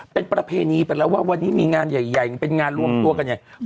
เป็นประเพณีไปแล้วว่าวันนี้มีงานใหญ่เป็นงานรวมตัวกันใหญ่